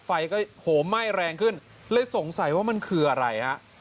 ไฟก็โหมไหม้แรงขึ้นเลยสงสัยว่ามันคืออะไรฮะ